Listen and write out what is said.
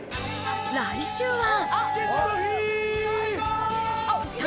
来週は。